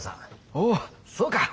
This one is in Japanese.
おおそうか。